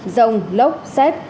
rông lốc xét